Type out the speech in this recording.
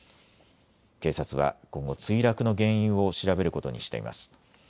警察は今後、墜落の原因を調べることにしています。